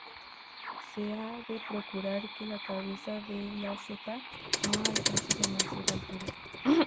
Se ha de procurar que la cabeza de la cepa no alcance demasiada altura.